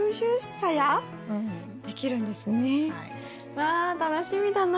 わ楽しみだな。